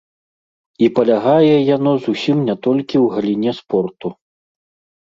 І палягае яно зусім не толькі ў галіне спорту.